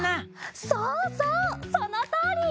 そうそうそのとおり！